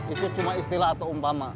itu cuma istilah atau umpama